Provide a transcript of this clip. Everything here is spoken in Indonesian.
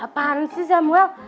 apaan sih samuel